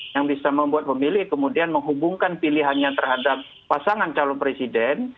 yang bisa membuat pemilih kemudian menghubungkan pilihannya terhadap pasangan calon presiden